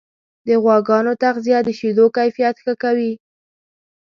د غواګانو تغذیه د شیدو کیفیت ښه کوي.